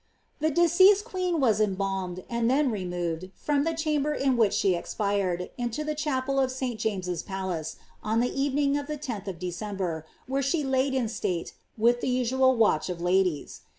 The deceased queen was embalmed, and then removed, from the lamber in which she expired, into the chapel of St. James's Palace, on e evening of the 10th of December, where she laid in state, with the lual watch of ladies.